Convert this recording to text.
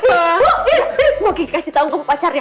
bu mau ki kasih tau kamu pacarnya